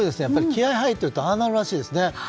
気合が入っているとああなるらしいですね。